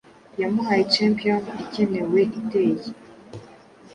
Yamuhaye champion ikeneweiteye